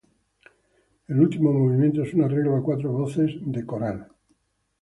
El último movimiento es un arreglo a cuatro voces del coral.